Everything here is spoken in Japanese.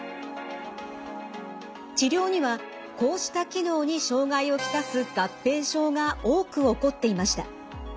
治療にはこうした機能に障害を来す合併症が多く起こっていました。